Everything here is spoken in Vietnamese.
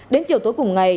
đến chiều tối cùng ngày